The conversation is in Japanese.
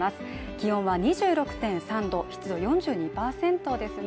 気温は２６．３度、湿度４２％ですね。